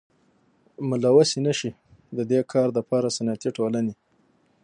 ملوثي نشي ددي کار دپاره صنعتي ټولني.